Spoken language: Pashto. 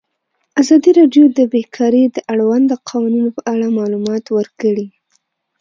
ازادي راډیو د بیکاري د اړونده قوانینو په اړه معلومات ورکړي.